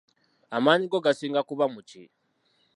Amaanyi go gasinga kuba mu ki?